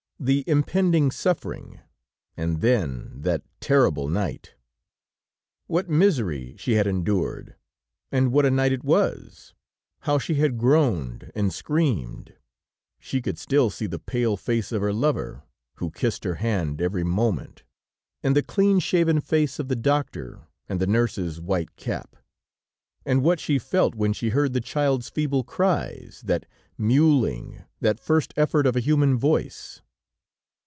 The impending suffering and then, that terrible night! What misery she had endured, and what a night it was! How she had groaned and screamed! She could still see the pale face of her lover, who kissed her hand every moment, and the clean shaven face of the doctor, and the nurse's white cap. And what she felt when she heard the child's feeble cries, that mewling, that first effort of a human voice!